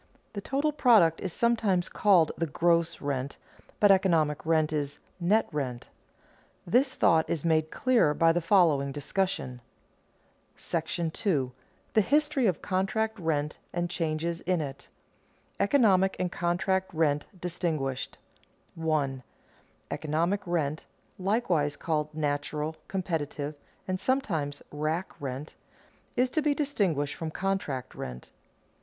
The total product is sometimes called the "gross rent," but economic rent is "net rent." This thought is made clearer by the following discussion. § II. THE HISTORY OF CONTRACT RENT AND CHANGES IN IT [Sidenote: Economic and contract rent distinguished] 1. _Economic rent (likewise called natural, competitive, and sometimes rack rent) is to be distinguished from contract rent.